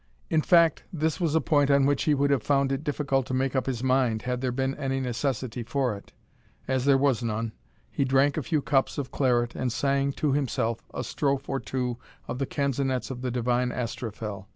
In fact, this was a point on which he would have found it difficult to make up his mind, had there been any necessity for it. As there was none, he drank a few cups of claret, and sang (to himself) a strophe or two of the canzonettes of the divine Astrophel.